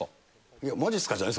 いや、まじっすかじゃない？